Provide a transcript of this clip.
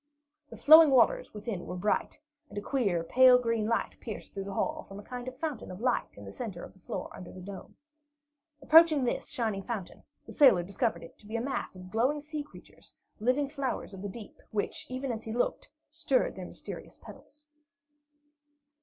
The flowing waters within were bright, and a queer, pale green light pierced through the hall from a kind of fountain of light in the centre of the floor under the dome. Approaching this shining fountain, the sailor discovered it to be a mass of glowing sea creatures, living flowers of the deep, which, even as he looked, stirred their mysterious petals.